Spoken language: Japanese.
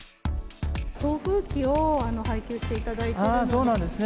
送風機を配給していただいてそうなんですね。